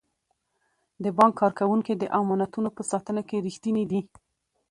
د بانک کارکوونکي د امانتونو په ساتنه کې ریښتیني دي.